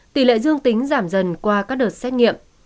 tỷ lệ dương tính giảm dần qua các đợt xét nghiệm